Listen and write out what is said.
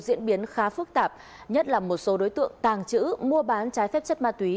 diễn biến khá phức tạp nhất là một số đối tượng tàng trữ mua bán trái phép chất ma túy